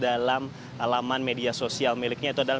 dalam alaman media sosial miliknya itu adalah